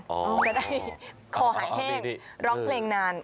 จะได้คอหายแห้งร้องเพลงนาน